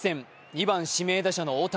２番・指名打者の大谷。